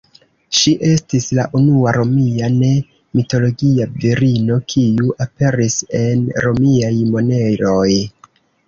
Ŝi estis la unua Romia ne-mitologia virino kiu aperis en Romiaj moneroj.